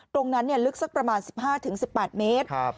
ตรงนั้นลึกสักประมาณ๑๕๑๘เมตร